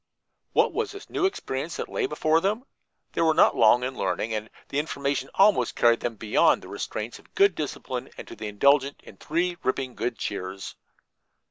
What was this new experience that lay before them? They were not long in learning, and the information almost carried them beyond the restraints of good discipline and to the indulgence in three ripping good cheers.